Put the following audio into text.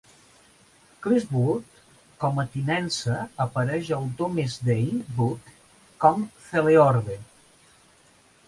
Chilworth com a tinença apareix al Domesday Book com "Celeorde".